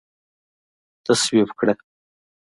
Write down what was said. تصویب کړه